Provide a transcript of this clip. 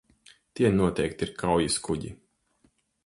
Tie noteikti ir kaujaskuģi.